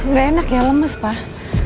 nggak enak ya lemes pak